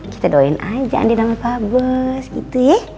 kita doain aja andin sama pabos gitu ya